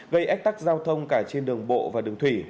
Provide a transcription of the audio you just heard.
gây ách tắc giao thông cả trên đường bộ và đường thủy